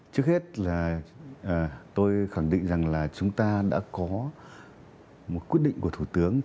trước hết là tôi khẳng định rằng là chúng ta đã có một quyết định của thủ tướng